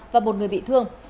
và một người bị thương